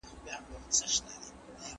که کار وي نو وقار وي.